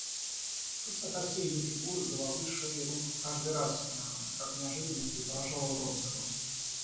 Красота всей ее фигуры, головы, шеи, рук каждый раз, как неожиданностью, поражала Вронского.